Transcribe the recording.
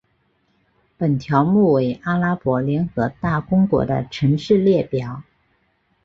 本条目为阿拉伯联合大公国的城市列表。